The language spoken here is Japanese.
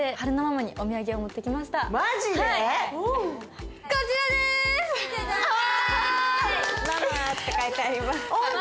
「ＭＡＭＡ」って書いてあります。